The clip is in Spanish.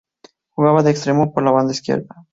Jugaba de extremo por la banda izquierda.